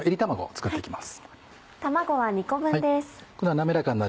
やっていきます。